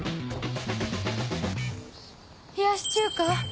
冷やし中華